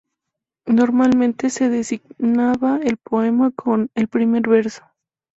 Normalmente se designaba el poema con el primer verso.